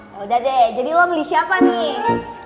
yaudah deh jadi lo ngelih siapa nih